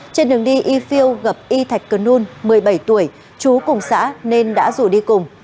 trên đường đi y phil gặp y thạch cần nôn một mươi bảy tuổi trú cùng xã nên đã rủ đi cùng